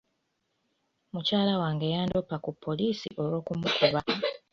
Mukyala wange yandoopa ku poliisi olw'okumukuba.